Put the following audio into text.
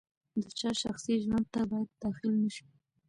د چا شخصي ژوند ته باید داخل نه شو.